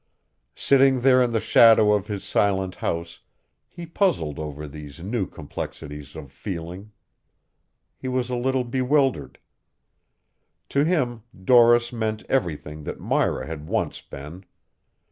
Sitting there in the shadow of his silent house, he puzzled over these new complexities of feeling. He was a little bewildered. To him Doris meant everything that Myra had once been.